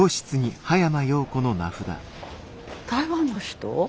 台湾の人？